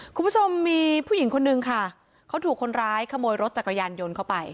คุณผู้ชมมีผู้หญิงคนนึงค่ะเขาถูกคนร้ายขโมยรถจักรยานยนต์เข้าไป